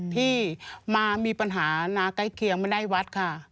ที่มามีปัญหานาใกล้เคียงไม่ได้วัดค่ะ